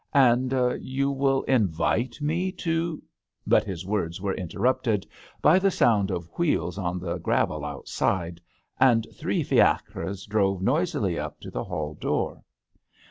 "And will you invite me to " But his words were inter rupted by the sound of wheels on the gravel outside, and three fiacres drove noisily up to the hall door.